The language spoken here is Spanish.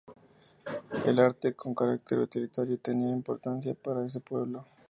El arte, con carácter utilitario, tenía importancia para ese pueblo.